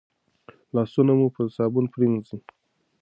لاسونه مو په صابون پریمنځئ.